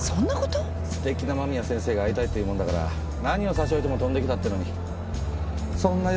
すてきな間宮先生が会いたいって言うもんだから何を差し置いても飛んで来たってのにそんな用件じゃがっかりだな。